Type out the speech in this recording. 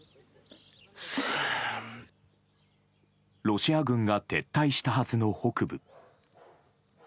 ロシア軍が撤退したはずの北部。